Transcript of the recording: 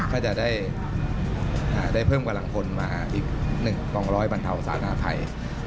ก็จะได้เพิ่มกำลังพลมาอีก๑กองร้อยบรรเทาสาธารณภัย